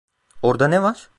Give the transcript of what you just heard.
Orada ne var?